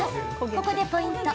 ここでポイント。